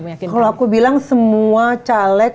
meyakin kalau aku bilang semua caleg